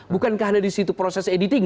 bukankah ada di situ proses editing